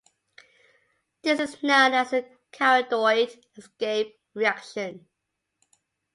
This is known as the caridoid escape reaction.